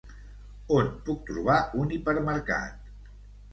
On puc trobar un hipermercat?